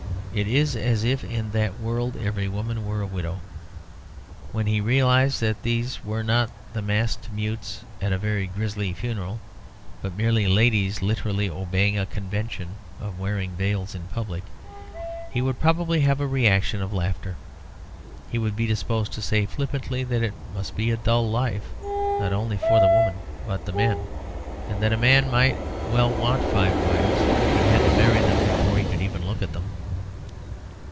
It is as if in that world every woman were a widow. When he realised that these were not the masked mutes at a very grisly funeral, but merely ladies literally obeying a convention of wearing veils in public, he would probably have a reaction of laughter. He would be disposed to say flippantly that it must be, a dull life, not only for the women but the men; and that a man might well want five wives if he had to marry them before he could even look at them.